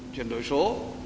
chuyển đổi số